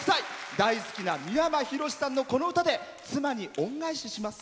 大好きな三山ひろしさんのこの歌で妻に恩返しします。